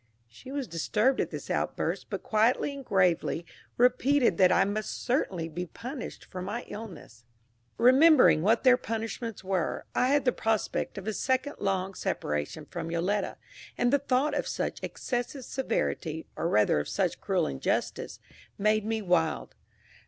She was disturbed at this outburst, but quietly and gravely repeated that I must certainly be punished for my illness. Remembering what their punishments were, I had the prospect of a second long separation from Yoletta, and the thought of such excessive severity, or rather of such cruel injustice, made me wild.